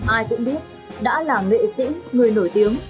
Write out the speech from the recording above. ai cũng biết đã là nghệ sĩ người nổi tiếng